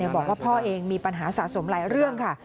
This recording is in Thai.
บอกว่าพ่อเองมีปัญหาสะสมหลายเรื่องค่ะ